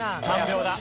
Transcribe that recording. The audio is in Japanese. ３秒だ。